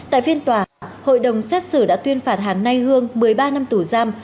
tại phiên tòa hội đồng xét xử đã tuyên phạt hàn nay hương một mươi ba năm tù giam